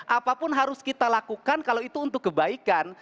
apapun harus kita lakukan kalau itu untuk kebaikan